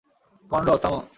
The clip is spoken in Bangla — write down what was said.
কনরস, থামো!